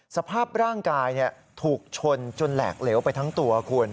สภาพร่างกายถูกชนจนแหลกเหลวไปทั้งตัวคุณ